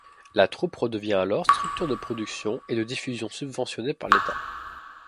La troupe redevient alors structure de production et de diffusion subventionnée par l’État.